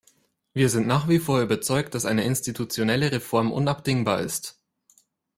Wir sind nach wie vor überzeugt, dass eine institutionelle Reform unabdingbar ist.